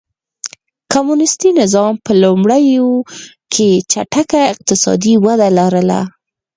کمونېستي نظام په لومړیو کې چټکه اقتصادي وده لرله.